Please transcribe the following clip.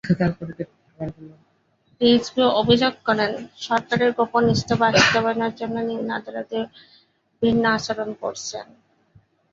রিজভী অভিযোগ করেন, সরকারের গোপন ইচ্ছা বাস্তবায়নের জন্য নিম্ন আদালত ভিন্ন আচরণ করছেন।